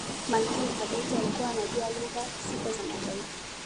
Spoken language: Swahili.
malikia elizabeth alikuwa anajua lugha sita za mataifa